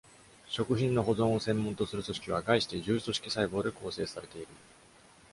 食品の保存を専門とする組織は、概して柔組織細胞で構成されている。